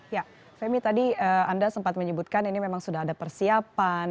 ya femi tadi anda sempat menyebutkan ini memang sudah ada persiapan